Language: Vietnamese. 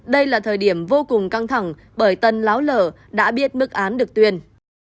đây là thời điểm vô cùng căng thẳng bởi tân láo lở đã biết mức án được tuyên